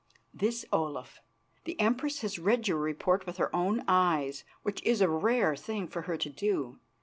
"This, Olaf. The Empress has read your report with her own eyes, which is a rare thing for her to do.